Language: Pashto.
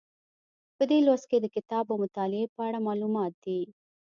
په دې لوست کې د کتاب او مطالعې په اړه معلومات دي.